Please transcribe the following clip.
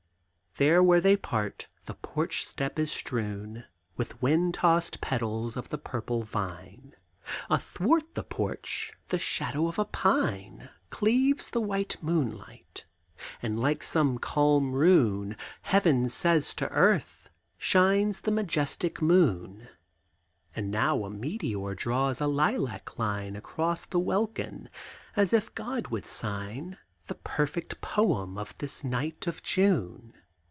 There where they part, the porch's step is strewn With wind tossed petals of the purple vine; Athwart the porch the shadow of a pine Cleaves the white moonlight; and, like some calm rune Heaven says to Earth, shines the majestic moon; And now a meteor draws a lilac line Across the welkin, as if God would sign The perfect poem of this night of June.